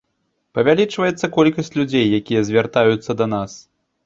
Павялічваецца колькасць людзей, якія звяртаюцца да нас.